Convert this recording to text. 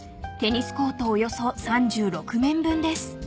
［テニスコートおよそ３６面分です］